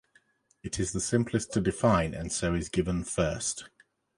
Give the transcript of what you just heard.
It is the simplest to define, and so is given first.